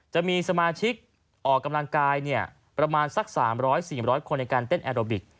จะมีสมาชิกออกกำลังกายประมาณสัก๓๐๐๔๐๐คนในการเต้นแอโรบิก